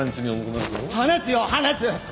話すよ話す！